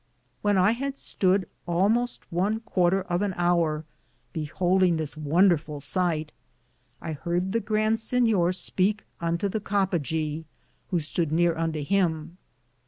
^ When I had stode almost one quarter of an houre behouldinge this wonder full sighte, I harde the Grande Sinyore speake unto the Coppagaw, who stood near unto him.